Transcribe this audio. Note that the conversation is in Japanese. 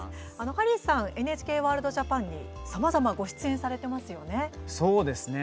ハリーさんＮＨＫワールドＪＡＰＡＮにさまざまご出演されてますよね。